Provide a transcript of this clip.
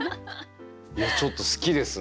いやちょっと好きですね。